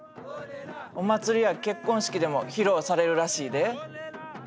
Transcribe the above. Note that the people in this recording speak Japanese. お祭りや結婚式でも披露されるらしいで。